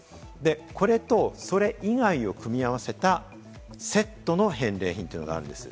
これと、それ以外を組み合わせたセットの返礼品というのがあるんです。